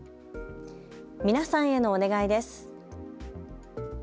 皆さんへのお願いです。